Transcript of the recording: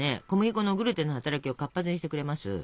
小麦粉のグルテンの働きを活発にしてくれます。